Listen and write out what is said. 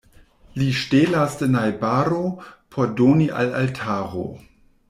Li ŝtelas de najbaro, por doni al altaro.